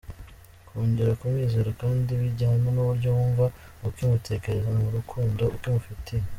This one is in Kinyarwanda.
Kongera kumwizera kandi bijyana n’uburyo wumva ukimutekereza n’urukundo ukimufitiye.